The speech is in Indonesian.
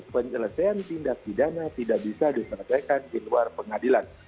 penyelesaian tindak pidana tidak bisa diselesaikan di luar pengadilan